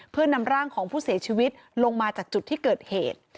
เพื่อนำร่างของผู้เสียชีวิตลงมาจากจุดที่เกิดเหตุ